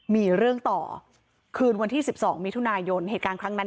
มีเรื่องต่อคืนวันที่๑๒มิถุนายนเหตุการณ์ครั้งนั้น